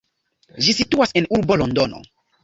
Ĝi situas en urbo Londono.